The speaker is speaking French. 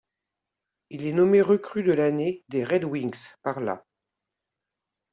Il est nommé recrue de l'année des Red Wings par la '.